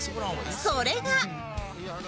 それが